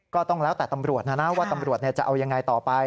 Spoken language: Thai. ก็แล้วแต่ตำรวจนะนะว่าตำรวจจะเอายังไงต่อไป